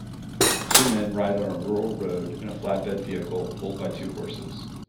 Two men ride on a rural road in a flatbed vehicle pulled by two horses.